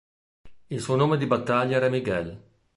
Il suo nome di battaglia era Miguel.